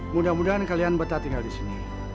mudah mudahan kalian betah tinggal di sini